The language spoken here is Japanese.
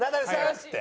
っつって。